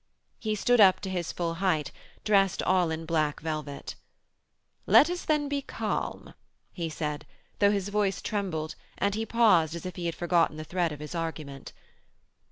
He stood up to his full height, dressed all in black velvet. 'Let us, then, be calm,' he said, though his voice trembled and he paused as if he had forgotten the thread of his argument.